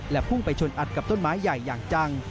พุ่งไปชนอัดกับต้นไม้ใหญ่อย่างจัง